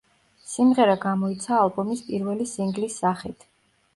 სიმღერა გამოიცა ალბომის პირველი სინგლის სახით.